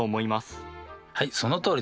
はいそのとおりです。